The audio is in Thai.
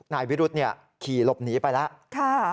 นายวิรุธขี่หลบหนีไปแล้ว